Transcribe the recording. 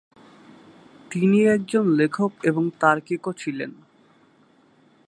তিনি একজন লেখক এবং তার্কিকও ছিলেন।